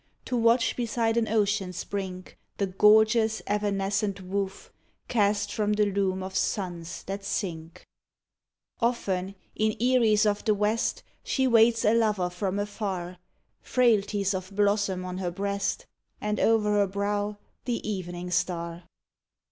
To watch beside an ocean's brink The gorgeous, evanescent woof Cast from the loom of suns that sink. 115 WHIfE MAGIC Often, in eyries of the West, She waits a lover from afar — Frailties of blossom on her breast And o'er her brow the evening star.